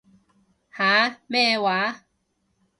吓？咩嘢話？